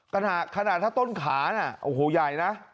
ขนาดถ้าต้นขาน่ะโอ้โหใหญ่นะ